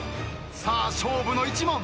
さあ勝負の１問。